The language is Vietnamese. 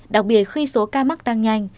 đặc biệt khi số ca mắc tăng nhanh